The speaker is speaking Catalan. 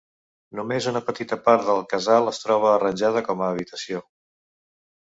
Només una petita part del casal es troba arranjada com a habitació.